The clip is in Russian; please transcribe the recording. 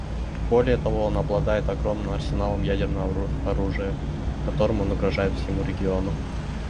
Более того, он обладает огромным арсеналом ядерного оружия, которым он угрожает всему региону.